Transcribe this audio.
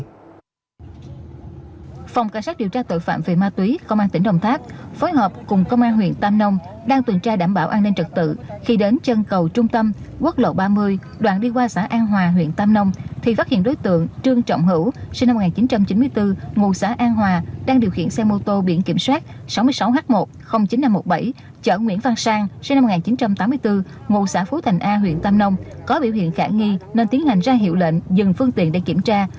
cơ quan cảnh sát điều tra công an tỉnh đồng tháp phối hợp cùng công an huyện tam nông đang tuyên tra đảm bảo an ninh trật tự khi đến chân cầu trung tâm quốc lộ ba mươi đoạn đi qua xã an hòa huyện tam nông thì phát hiện đối tượng trương trọng hữu sinh năm một nghìn chín trăm chín mươi bốn ngụ xã an hòa đang điều khiển xe mô tô biển kiểm soát sáu mươi sáu h một chín nghìn năm trăm một mươi bảy chở nguyễn văn sang sinh năm một nghìn chín trăm tám mươi bốn ngụ xã phú thành a huyện tam nông có biểu hiện khả nghi nên tiến hành ra hiệu lệnh dừng phương tiện để kiểm tra